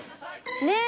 ねえ！